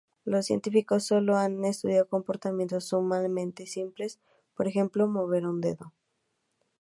Los científicos solo ha estudiado comportamientos sumamente simples, por ejemplo, mover un dedo.